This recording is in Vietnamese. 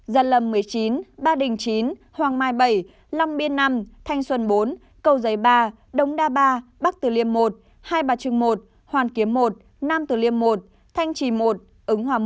gia lâm một mươi chín ba đình chín hoàng mai bảy long biên năm thanh xuân bốn cầu giấy ba đống đa ba bắc tử liêm một hai bà trưng một hoàn kiếm một nam tử liêm một thanh trì một ứng hòa một